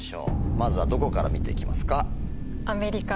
まずはどこから見て行きますか？